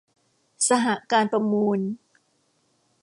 สหการประมูล